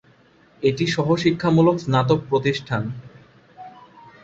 এটি সহ-শিক্ষামূলক স্নাতক প্রতিষ্ঠান।